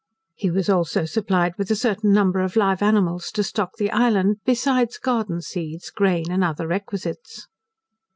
He was also supplied with a certain number of live animals to stock the island, besides garden seeds, grain, and other requisites.